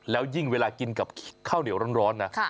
แล้วยิ่งเวลากินกับข้าวเหนียวร้อนนะ